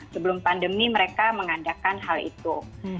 sebelum pandemi mereka mengadakan hal itu